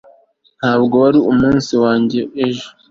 ntabwo wari umunsi wanjye ejo